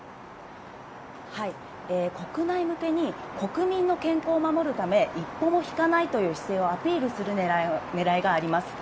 国内向けに国民の健康を守るため、一歩も引かないという姿勢をアピールするねらいがあります。